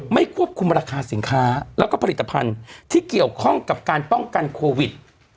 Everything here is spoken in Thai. ไม่ควบคุมราคาสินค้าแล้วก็ผลิตภัณฑ์ที่เกี่ยวข้องกับการป้องกันโควิด